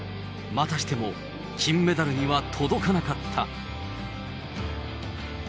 またしても金メダルには届かなかった。